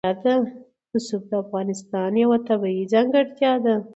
رسوب د افغانستان یوه طبیعي ځانګړتیا ده.